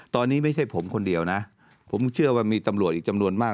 ตอนนี้ไม่ใช่ผมคนเดียวนะผมเชื่อว่ามีตำรวจอีกจำนวนมาก